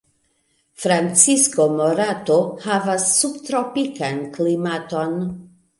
Francisco Morato havas subtropikan klimaton.